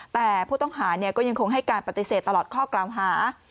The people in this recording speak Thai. แต่ผู้ต้องหาก็ยังคงให้การปฏิเสธตลอดข้อกล่าวหา